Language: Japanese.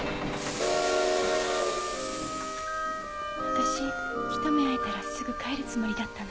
私ひと目会えたらすぐ帰るつもりだったの。